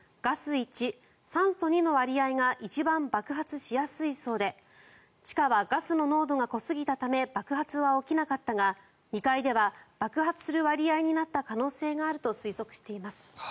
１酸素２の割合が一番爆発しやすいそうで地下はガスの濃度が濃すぎたため爆発は起きなかったが２階では爆発する割合になった可能性があると指摘しています。